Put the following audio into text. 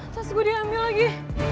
tas gue diambil lagi